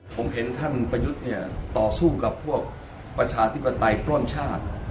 ผมเห็นท่านประยุทธ์เนี่ยต่อสู้กับพวกประชาธิปไตยปล้นชาติ